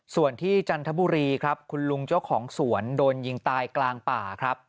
ส่วนที่จันทบุรีครับคุณลุงเจ้าของสวนโดนยิงตายกลางป่าครับ